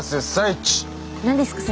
何ですか？